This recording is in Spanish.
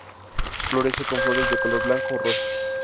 Florece con flores de color blanco o rosa.